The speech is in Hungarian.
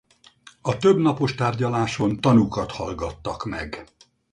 A több napos tárgyaláson tanúkat hallgattak meg.